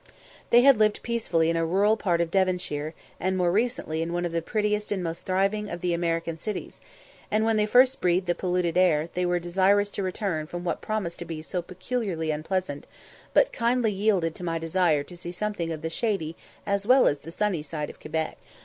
They had lived peacefully in a rural part of Devonshire, and more recently in one of the prettiest and most thriving of the American cities; and when they first breathed the polluted air, they were desirous to return from what promised to be so peculiarly unpleasant, but kindly yielded to my desire to see something of the shady as well as the sunny side of Quebec.